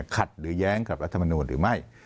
ขัดหรือแย้งกับรัฐมนูลหรือไม่